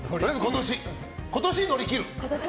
今年乗り切る。